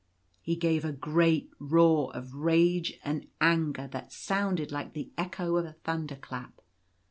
He gave a great roar of rage and anger, that sounded like the echo of a thunder clap.